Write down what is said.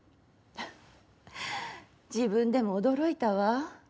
自分でも驚いたわ。